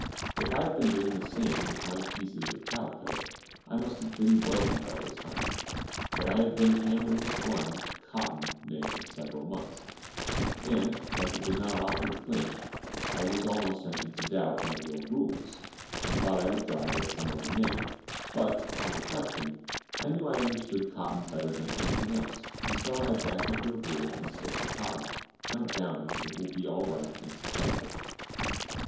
If I had been doing the same with my pieces of calico, I must have been wealthy by this time: but I have been hammering at one (cotton) nail several months, and, as it did not offer to clinch, I was almost tempted to doubt one of your "rules," and thought I would drive at some other nail; but, on reflection, I knew I understood cotton better than anything else, and so I back up your rule and stick to cotton, not doubting it will be all right and successful.